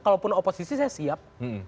kalau pun oposisi saya siap